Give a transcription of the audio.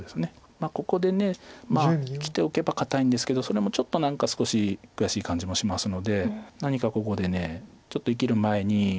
まあここで生きておけば堅いんですけどそれもちょっと何か少し悔しい感じもしますので何かここでちょっと生きる前に少し工夫したいとこではあります。